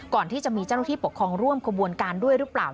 ก่อนที่จะมีเจ้าหน้าที่ปกครองร่วมขบวนการด้วยหรือเปล่า